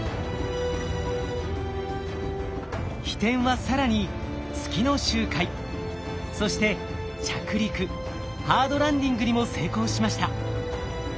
ひてんは更に月の周回そして着陸・ハードランディングにも成功しました。